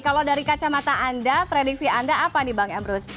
kalau dari kacamata anda prediksi anda apa nih bang emrus